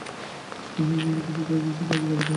শশীকে কিন্তু কিছুতেই ঐ বিষয়ে রাজী করাতে পারতুম না।